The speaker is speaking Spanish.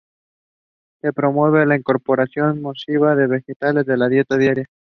Se promueve la incorporación masiva de vegetales en la dieta diaria.